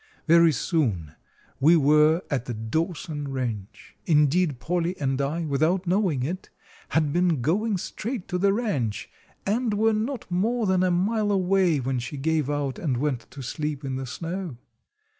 Very soon were were at the Dawson ranch. Indeed, Polly and I, without knowing it, had been going straight to the ranch, and were not more than a mile away when she gave out and went to sleep in the snow.